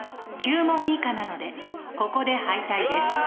９問以下なのでここで敗退です。